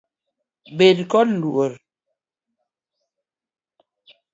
Bed kod luor .